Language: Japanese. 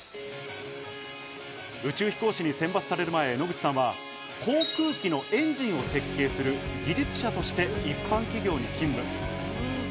宇宙飛行士に選抜される前、野口さんは航空機のエンジンを設計する技術者として一般企業に勤務。